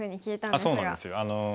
あっそうなんですよ。